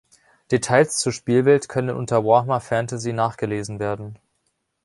Details zur Spielwelt können unter Warhammer Fantasy nachgelesen werden.